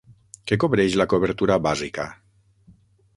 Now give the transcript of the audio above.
Què cobreix la cobertura bàsica?